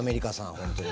本当に。